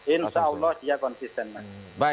insya allah dia konsisten mas